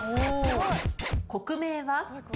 国名は？